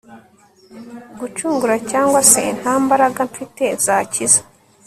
gucungura cyangwa se nta mbaraga mfite zakiza